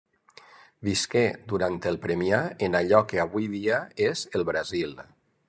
Visqué durant el Permià en allò que avui en dia és el Brasil.